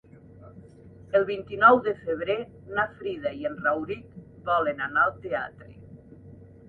El vint-i-nou de febrer na Frida i en Rauric volen anar al teatre.